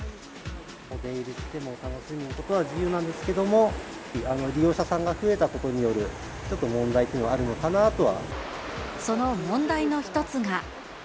出入りしても楽しむことは自由なんですけども、利用者さんが増えたことによる、ちょっと問題その問題の一つが。